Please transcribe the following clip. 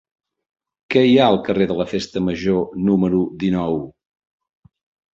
Què hi ha al carrer de la Festa Major número dinou?